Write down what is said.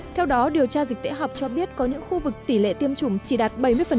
theo đó điều tra dịch tễ học cho biết có những khu vực tỷ lệ tiêm chủng chỉ đạt bảy mươi